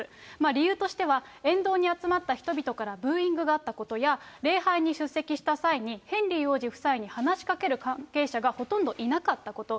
理由としては沿道に集まった人々からブーイングがあったことや、礼拝に出席した際にヘンリー王子夫妻に話しかける関係者がほとんどいなかったこと。